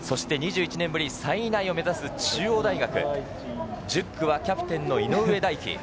２１年ぶり３位以内を目指す中央大学、１０区はキャプテンの井上大輝。